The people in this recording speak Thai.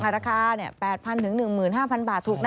ราคา๘๐๐๑๕๐๐บาทถูกนะ